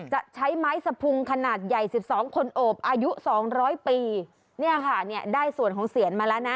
จะใช้ไม้สะพุงขนาดใหญ่สิบสองคนโอบอายุสองร้อยปีเนี่ยค่ะเนี่ยได้ส่วนของเสียนมาแล้วนะ